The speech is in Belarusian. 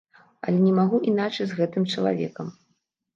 Але не магу іначай з гэтым чалавекам.